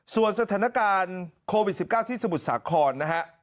ส่วนสถานการณ์โควิด๑๙ที่สมุทรสาครนะฮะ